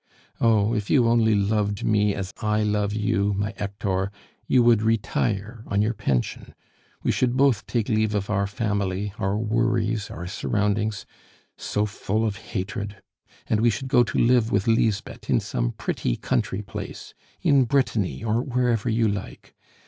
"Oh, if you only loved me as I love you, my Hector, you would retire on your pension; we should both take leave of our family, our worries, our surroundings, so full of hatred, and we should go to live with Lisbeth in some pretty country place in Brittany, or wherever you like.